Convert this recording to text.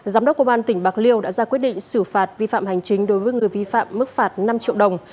giám đốc công an tỉnh bạc liêu đã ra quyết định xử phạt vi phạm hành chính đối với người vi phạm mức phạt năm triệu đồng